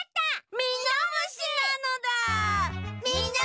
みのむしなのだ！